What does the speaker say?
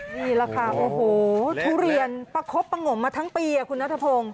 นี่แหละค่ะโอ้โหทุเรียนประคบประงมมาทั้งปีคุณนัทพงศ์